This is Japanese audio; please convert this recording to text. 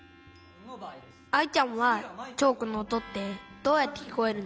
☎アイちゃんはチョークのおとってどうやってきこえるの？